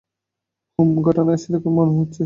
হুম, ঘটনা সেরকমই মনে হচ্ছে।